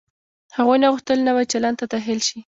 هغوی نه غوښتل نوي چلند ته داخل شي.